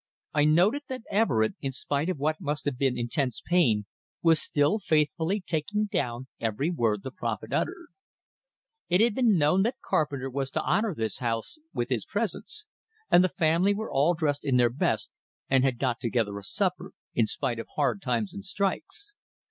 I noted that Everett, in spite of what must have been intense pain, was still faithfully taking down every word the prophet uttered. It had been known that Carpenter was to honor this house with his presence, and the family were all dressed in their best, and had got together a supper, in spite of hard times and strikes.